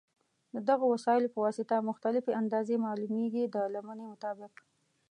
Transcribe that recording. د دغو وسایلو په واسطه مختلفې اندازې معلومېږي د لمنې مطابق.